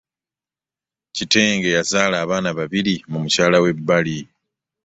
Kitenge yazaala abaana babiri mu mukyala w'ebbali.